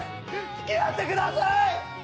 付き合ってください！